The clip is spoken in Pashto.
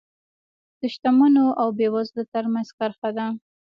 د شتمنو او بېوزلو ترمنځ کرښه ده.